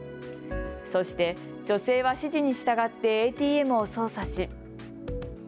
そして女性は指示に従ってＡＴＭを操作し。